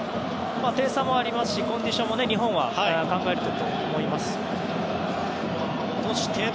点差もありますしコンディションも日本は考えると思います。